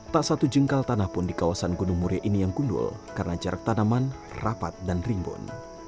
tak satu jengkal tanah pun di kawasan gunung muria ini yang gundul karena jarak tanaman rapat dan rimbun